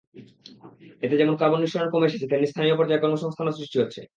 এতে যেমন কার্বন নিঃসরণ কমে এসেছে, তেমনি স্থানীয় পর্যায়ে কর্মসংস্থানও সৃষ্টি হচ্ছে।